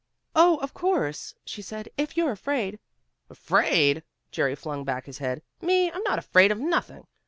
"Oh, of course," she said, "if you're afraid " "Afraid!" Jerry flung back his head. "Me! I'm not afraid of nothing.